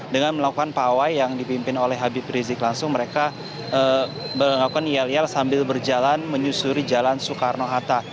dengan melakukan pawai yang dipimpin oleh habib rizik langsung mereka melakukan yel yel sambil berjalan menyusuri jalan soekarno hatta